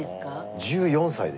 １４歳！